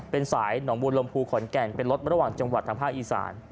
เป็นสายหนองบูรลมภูขอนแก่นเป็นรถระหว่างจังหวัดทางภาคอีสาน